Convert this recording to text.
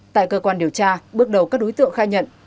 tại cơ quan điều tra bước đầu các đối tượng khai nhận